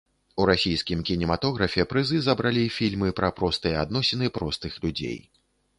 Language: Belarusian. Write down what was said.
У расійскім кінематографе прызы забралі фільмы пра простыя адносіны простых людзей.